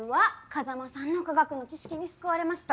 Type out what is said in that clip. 風真さんの科学の知識に救われました。